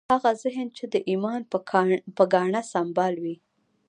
هغه ذهن چې د ایمان په ګاڼه سمبال وي